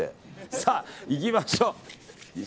さあ、いきましょう。